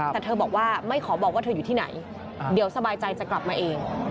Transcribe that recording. แต่เธอบอกว่าไม่ขอบอกว่าเธออยู่ที่ไหนเดี๋ยวสบายใจจะกลับมาเอง